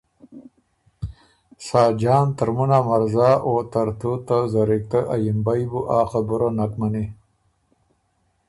ساجان ترمُن ا مرزا او ترتُو ته زرِکتۀ ا یِمبئ بُو آ خبُره نک منی